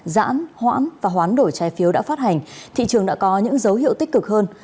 giãn hoãn và hoán đổi trái phiếu đã phát hành thị trường đã có những dấu hiệu tích cực hơn